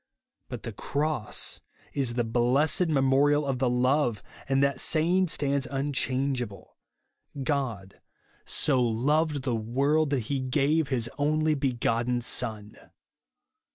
But the cross is the blessed memorial of the love, and that saying stands unchange able; " God so loved the world, that he gave R 19l! JESUS ONLY. his only begotten Son."